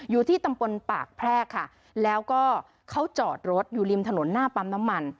อยู่ที่ตำบลปากแพรกค่ะแล้วก็เขาจอดรถอยู่ริมถนนหน้าปั๊มน้ำมัน